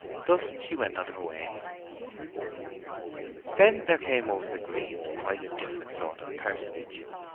Thus she went on her way. Then there came over the green quite a different sort of personage.